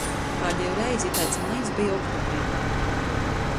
Pādejū reizi itaids majs beja oktobrī.